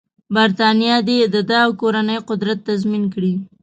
برټانیه دې د ده او کورنۍ قدرت تضمین کړي.